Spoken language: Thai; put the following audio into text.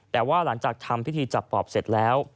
แต่ว่าหลังจากทำพิธีจับปอบเสร็จแล้ว